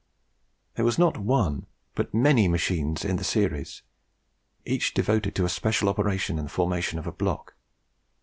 There was not one, but many machines in the series, each devoted to a special operation in the formation of a block.